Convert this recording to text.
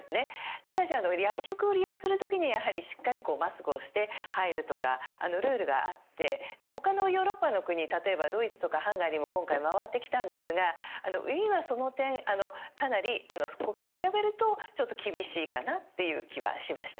ただし、薬局を利用する時にはしっかりマスクをして入るとかルールがあってほかのヨーロッパの国例えばドイツとかハンガリーも今回、回ってきたんですがウィーンはその点かなり、ほかと比べるとちょっと厳しいかなという気はしました。